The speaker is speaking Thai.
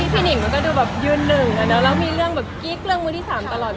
หนิงมันก็ดูแบบยืนหนึ่งแล้วมีเรื่องแบบกิ๊กเรื่องมือที่๓ตลอด